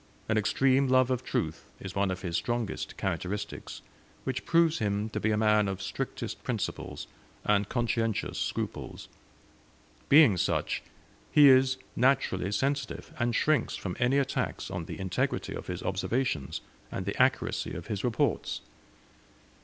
An extreme love of truth is one of his strongest characteristics, which proves him to be a man of strictest principles, and conscientious scruples; being such, he is naturally sensitive, and shrinks from any attacks on the integrity of his observations, and the accuracy of his reports.